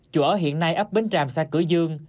chỗ ở hiện nay ấp bến tràm xã cửa dương